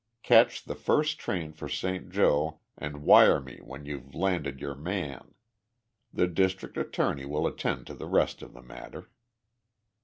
Catch the first train for Saint Joe and wire me when you've landed your man. The district attorney will attend to the rest of the matter."